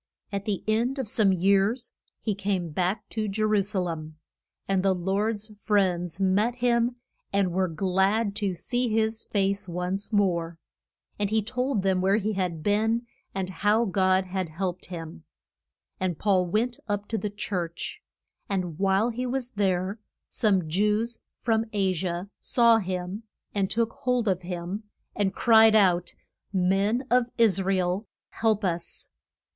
At the end of some years he came back to Je ru sa lem. And the Lord's friends met him, and were glad to see his face once more. And he told them where he had been, and how God had helped him. [Illustration: ST. PAUL LEAV ING TYRE.] And Paul went up to the church. And while he was there some Jews from A si a saw him and took hold of him, and cried out, Men of Is ra el, help us.